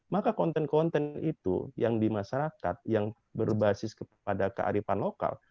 maka konten konten itu yang di masyarakat yang berbasis kepada kearifan lokal